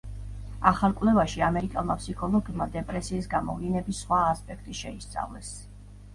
ახალ კვლევაში ამერიკელმა ფსიქოლოგებმა დეპრესიის გამოვლინების სხვა ასპექტი შეისწავლეს.